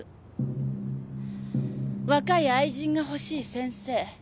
若い愛人がほしい先生。